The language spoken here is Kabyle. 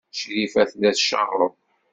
Crifa tella tcerreḍ.